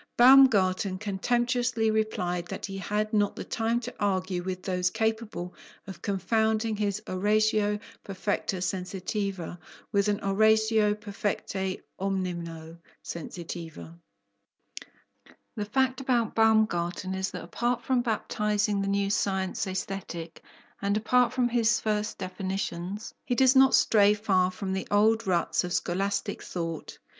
Baumgarten contemptuously replied that he had not the time to argue with those capable of confounding his oratio perfecta sensitiva with an oratio perfecte (omnino!) sensitiva. The fact about Baumgarten is that apart from baptizing the new science Aesthetic, and apart from his first definitions, he does not stray far from the old ruts of scholastic thought.